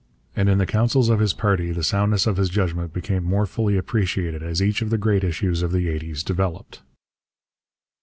And in the councils of his party the soundness of his judgment became more fully appreciated as each of the great issues of the eighties developed.